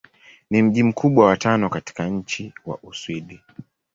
Ni mji mkubwa wa tano katika nchi wa Uswidi.